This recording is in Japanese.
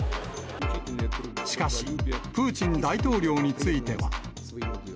しかし、プーチン大統領については。